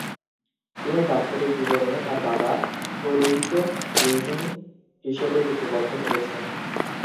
তিনি দাপ্তরিক বিবরণে তার বাবা তোলুইকে রুইজং হিসেবে লিপিবদ্ধ করেছেন।